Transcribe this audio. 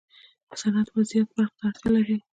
صنعت و زیات برق ته اړتیا لري.